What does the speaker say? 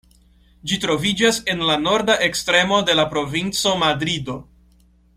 Ĝi troviĝas en la norda ekstremo de la provinco Madrido.